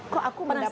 kok aku mendapat